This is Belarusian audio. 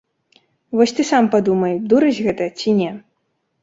Вось ты сам падумай, дурасць гэта ці не?